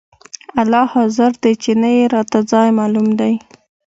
الله حاضر دى چې نه يې راته ځاى معلوم دى.